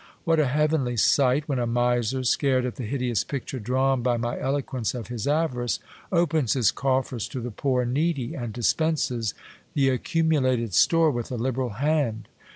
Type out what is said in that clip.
What a heavenly sight, when a miser, scared at the hideous picture drawn by my eloquence of his avarice, opens his coffers to the poor and needy, and dispenses the accumulated store with a lib eral hand